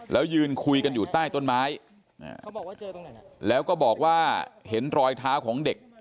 แล้วยืนคุยกันอยู่ใต้ต้นไม้แล้วก็บอกว่าเห็นรอยเท้าของเด็ก